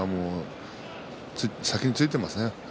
先についていますね。